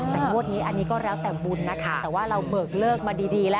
แต่งวดนี้อันนี้ก็แล้วแต่บุญนะคะแต่ว่าเราเบิกเลิกมาดีแล้ว